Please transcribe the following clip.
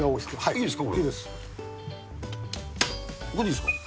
いいです。